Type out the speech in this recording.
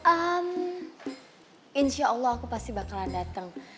am insya allah aku pasti bakalan datang